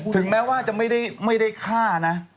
ถึงแม้ว่าจะไม่ได้ฆ่านะ